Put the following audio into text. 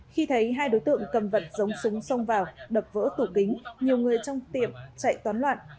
khi thấy hai đối tượng cầm vật giống súng xông vào đập vỡ tủ kính nhiều người trong tiệm chạy toán loạn